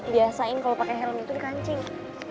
biasain kalo pake helm itu di kancing